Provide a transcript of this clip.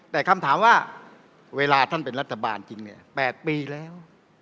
แต่คำถามว่าเวลาท่านเป็นรัฐบาลจริงเนี่ย๘ปีแล้ว